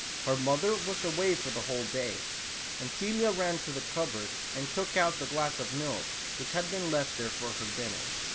Her mother was away for the whole day, and Celia ran to the cupboard, and took out the glass of milk, which had been left there for her dinner.